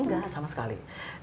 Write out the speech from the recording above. tidak sama sekali